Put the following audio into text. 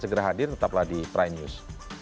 segera hadir tetaplah di prime news